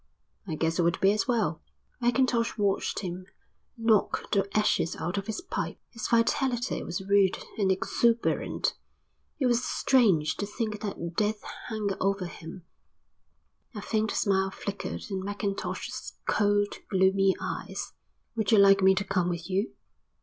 "I guess it would be as well." Mackintosh watched him knock the ashes out of his pipe. His vitality was rude and exuberant. It was strange to think that death hung over him. A faint smile flickered in Mackintosh's cold, gloomy eyes. "Would you like me to come with you?"